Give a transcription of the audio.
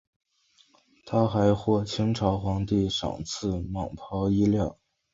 他还获清朝皇帝赏赐蟒袍衣料。